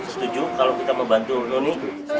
setuju kalau kita membantu noni